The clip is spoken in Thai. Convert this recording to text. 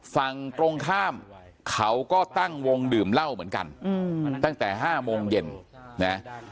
ฝั่งตรงข้ามเขาก็ตั้งวงดื่มเหล้าเหมือนกันตั้งแต่๕โมงเย็นนะ